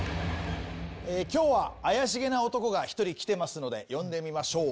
今日は怪しげな男が１人来てますので呼んでみましょう。